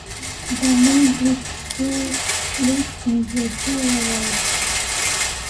The league is split into two levels.